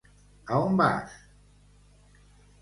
A on vas?